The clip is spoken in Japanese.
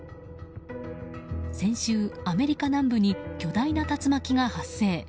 先週、アメリカ南部に巨大な竜巻が発生。